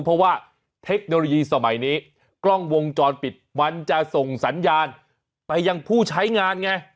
เพราะว่าเทคโนโลยีสมัยนี้กล้องวงจรปิดมันจะส่งสัญญาณไปยังผู้ใช้งานไง